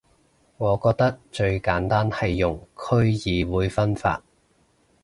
我覺得最簡單係用區議會分法